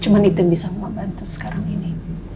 cuma itu yang bisa gue bantu sekarang ini